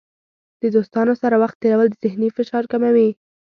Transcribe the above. د دوستانو سره وخت تیرول د ذهني فشار کموي.